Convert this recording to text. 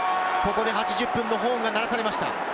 ここで８０分のホーンが鳴らされました。